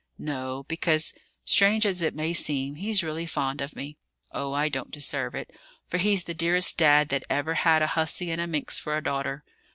"No; because, strange as it may seem, he's really fond of me. Oh, I don't deserve it; for he's the dearest dad that ever had a hussy and a minx for a daughter.